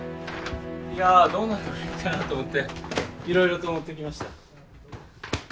いやどんなのがいいかなと思って色々と持ってきました